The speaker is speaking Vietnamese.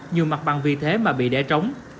nhiều mặt bằng vì thế mà bị để trống